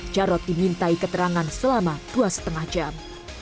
jarod dimintai keterangan selama dua lima jam